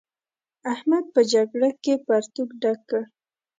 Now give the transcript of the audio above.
احمد په جګړه کې پرتوګ ډک کړ.